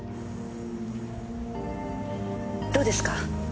どうですか？